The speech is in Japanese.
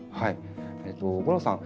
吾郎さん